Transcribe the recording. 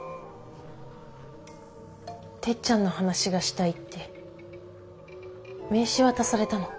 てっちゃんの話がしたいって名刺渡されたの。